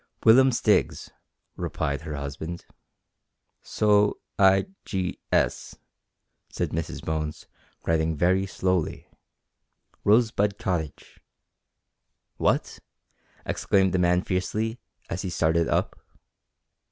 "Willum Stiggs," replied her husband. "So i g s," said Mrs Bones, writing very slowly, "Rosebud Cottage." "What!" exclaimed the man fiercely, as he started up.